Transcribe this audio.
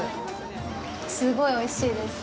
すっごいおいしいです。